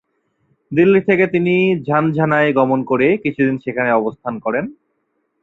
দিল্লি থেকে তিনি ঝানঝানায় গমন করে কিছুদিন সেখানে অবস্থান করেন।